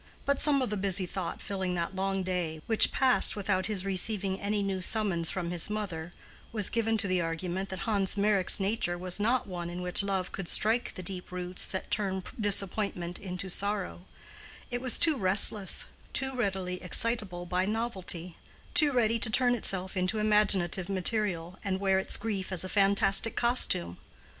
But some of the busy thought filling that long day, which passed without his receiving any new summons from his mother, was given to the argument that Hans Meyrick's nature was not one in which love could strike the deep roots that turn disappointment into sorrow: it was too restless, too readily excitable by novelty, too ready to turn itself into imaginative material, and wear its grief as a fantastic costume.